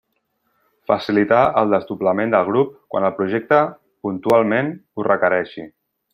Facilitar el desdoblament del grup quan el projecte, puntualment, ho requereixi.